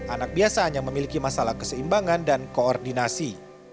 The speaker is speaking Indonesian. anak biasanya memiliki masalah keseimbangan dan koordinasi